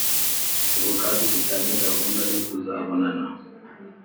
mperuka dufitanye gahunda yo kuzabonana